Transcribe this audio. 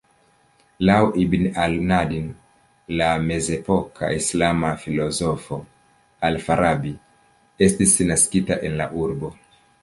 Laŭ "Ibn al-Nadim", la mezepoka islama filozofo "Al-Farabi" estis naskita en la urbo.